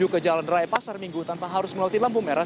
menuju ke jalan raya pasar minggu tanpa harus melalui lampu merah